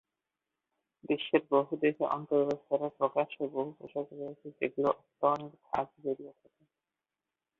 বিশ্বের বহু দেশে অন্তর্বাস ছাড়াও প্রকাশ্য বহু পোশাক রয়েছে যেগুলোতে স্তনের খাঁজ বেরিয়ে থাকে।